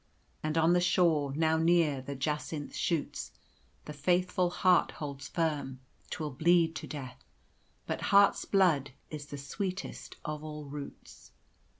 "And on the shore, now near, the jacinth shoots: The faithful heart holds firm: 'twill bleed to death; But heart's blood is the sweetest of all roots.